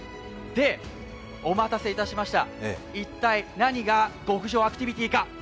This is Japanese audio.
で、お待たせいたしました、一体何が極上サウナアクティビティーか。